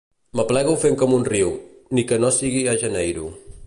M'aplego fent com un riu, ni que no sigui a Janeiro.